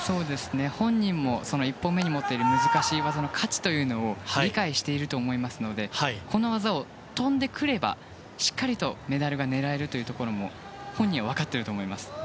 本人もその１本目に持っている難しい技の価値というのを理解していると思いますのでこの技を跳んでくればしっかりとメダルが狙えるところも本人は分かっていると思います。